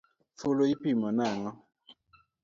Fulu ipimo nang’o?